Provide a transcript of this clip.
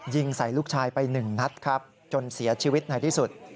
ยิงใส่ลูกชายไปหนึ่งนัดครับจนเสียชีวิตในที่สุด